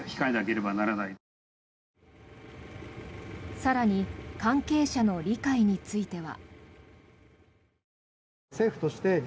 更に関係者の理解については。